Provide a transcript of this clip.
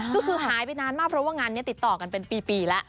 ก็คือหายไปนานมากเพราะว่างานนี้ติดต่อกันเป็นปีแล้ว